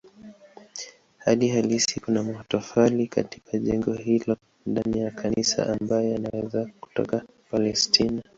Hali halisi kuna matofali katika jengo hilo ndani ya kanisa ambayo yanaweza kutoka Palestina.